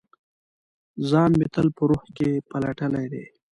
ځان مې تل په روح کې پلټلي دی